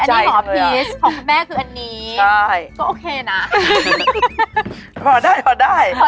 อันนี้เหรอพีชของคุณแม่คืออันนี้ก็โอเคนะ